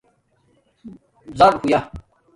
ڎرہویا